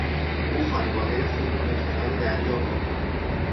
او خانوادهی خود را به کنار دریا برد.